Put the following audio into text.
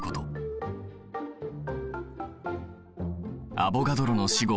アボガドロの死後